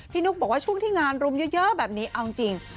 นุ๊กบอกว่าช่วงที่งานรุมเยอะแบบนี้เอาจริง